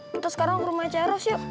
kita sekarang ke rumahnya ceros yuk